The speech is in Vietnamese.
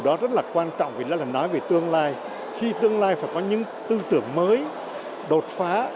đó rất là quan trọng vì nó là nói về tương lai khi tương lai phải có những tư tưởng mới đột phá